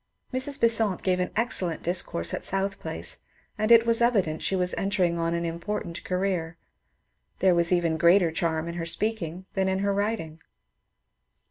Mrs. Besant gave an excellent discourse at South Place, and it was evident that she was entering on an impor tant career. There was even greater charm in her speaking than in her writing.